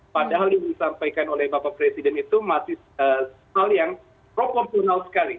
padahal yang disampaikan oleh bapak presiden itu masih hal yang proporsional sekali